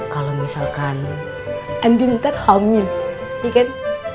kalau misalkan andin ntar hamil ya kan